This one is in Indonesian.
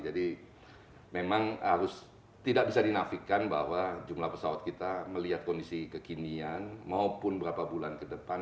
jadi memang harus tidak bisa dinafikan bahwa jumlah pesawat kita melihat kondisi kekinian maupun berapa bulan ke depan